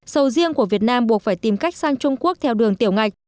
sầu riêng của việt nam buộc phải tìm cách sang trung quốc theo đường tiểu ngạch